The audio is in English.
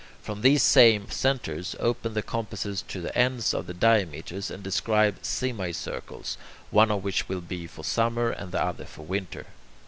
From these same centres open the compasses to the ends of the diameters, and describe semicircles, one of which will be for summer and the other for winter.